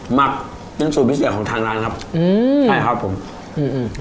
หมักเป็นสูตรพิเศษของทางร้านครับอืมใช่ครับผมอืม